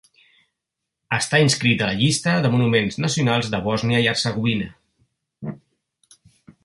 Està inscrit a la llista de monuments nacionals de Bòsnia i Hercegovina.